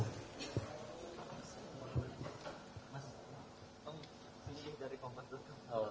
mas kamu fisik dari kompetitor